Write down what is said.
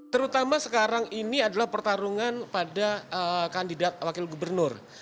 terutama sekarang ini adalah pertarungan pada kandidat wakil gubernur